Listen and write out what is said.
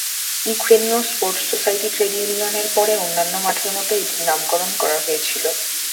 ইউক্রেনিয় sports society trade ইউনিয়নের পরে অন্যান্য মাঠের মতো এটির নামকরণ করা হয়েছিল।